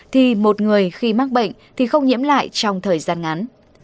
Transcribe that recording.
thì một người khi mắc bệnh thì không nhiễm lại trong thời gian ngắn